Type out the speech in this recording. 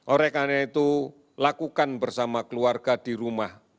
oleh karena itu lakukan bersama keluarga di rumah